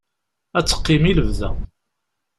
Ad teqqim i lebda.